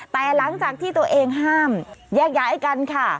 แต่หลังจากที่ตัวเองห้ามแยกย้ายกันค่ะ